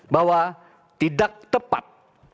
bahwa tidak tepat